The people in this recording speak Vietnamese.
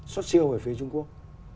xuất siêu về phía trung quốc